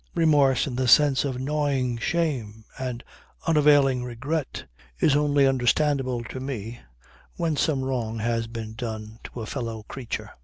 Remorse in the sense of gnawing shame and unavailing regret is only understandable to me when some wrong had been done to a fellow creature.